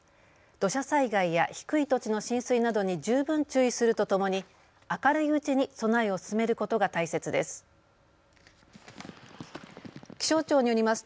土砂災害や低い土地の浸水などに十分注意するとともに明るいうちに備えを進めることが大切です。